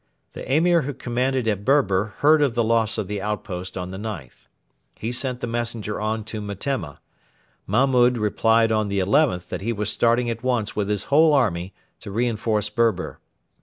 The Emir who commanded at Berber heard of the loss of the outpost on the 9th. He sent the messenger on to Metemma. Mahmud replied on the 11th that he was starting at once with his whole army to reinforce Berber.